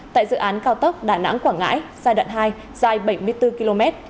tại dự án cao tốc đà nẵng quảng ngãi giai đoạn hai dài bảy mươi bốn km